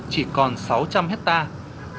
chỉ còn sáu trăm linh hectare